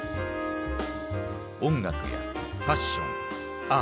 音楽やファッションアート。